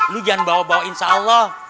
lu jangan bawa bawa insya allah